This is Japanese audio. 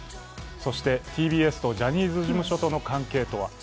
そして、ＴＢＳとジャニーズ事務所との関係けは。